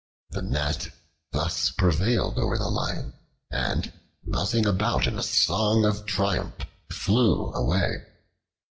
The Gnat thus prevailed over the Lion, and, buzzing about in a song of triumph, flew away.